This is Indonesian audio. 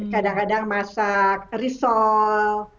kadang kadang masak risol